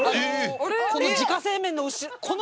この自家製麺の。